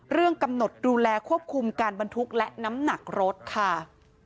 กำหนดดูแลควบคุมการบรรทุกและน้ำหนักรถค่ะ